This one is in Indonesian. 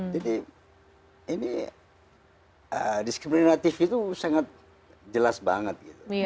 jadi ini diskriminatif itu sangat jelas banget